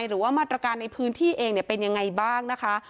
หรือว่ามาตรการในพื้นที่เองเป็นยังไงบ้างนะคะ